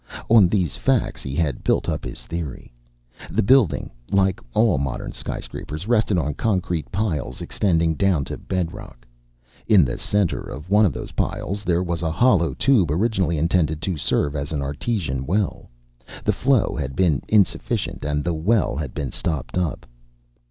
On these facts he had built up his theory. The building, like all modern sky scrapers, rested on concrete piles extending down to bedrock. In the center of one of those piles there was a hollow tube originally intended to serve as an artesian well. The flow had been insufficient and the well had been stopped up.